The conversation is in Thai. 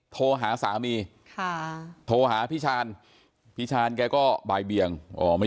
โทรหาสามีค่ะโทรหาพี่ชาญพี่ชาญแกก็บ่ายเบียงอ๋อไม่